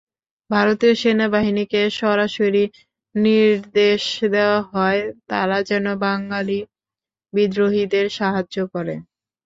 ভারতীয় সেনাবাহিনীকে সরাসরি নির্দেশ দেওয়া হয়, তারা যেন বাঙালি বিদ্রোহীদের সাহায্য করে।